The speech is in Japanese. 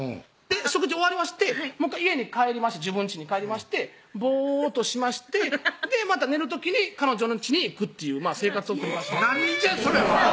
食事終わりましてもう１回自分ちに帰りましてボーッとしましてまた寝る時に彼女んちに行くっていう生活を何じゃそれは！